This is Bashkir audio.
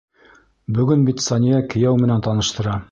Бөгөн бит Сания кейәү менән таныштыра!